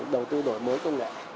đầu tư đổi mới công nghệ